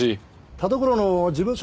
田所の事務所